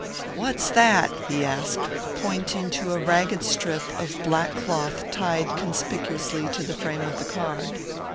"What's that?" he asked, pointing to a ragged strip of black cloth tied conspicuously to the frame of the card.